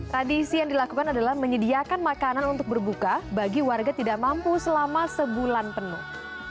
tradisi yang dilakukan adalah menyediakan makanan untuk berbuka bagi warga tidak mampu selama sebulan penuh